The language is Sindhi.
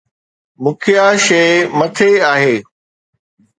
مکيه شيء مٿي آهي.